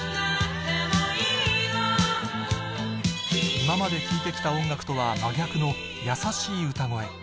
今まで聴いて来た音楽とは真逆の優しい歌声